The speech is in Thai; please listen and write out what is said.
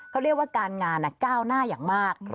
เขาเรียกว่าการงานก้าวหน้าอย่างมาก